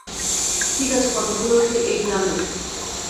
ঠিক আছে কতগুলো সে এই গ্রামের।